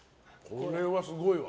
これはすごいわ。